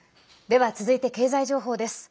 では続いて経済情報です。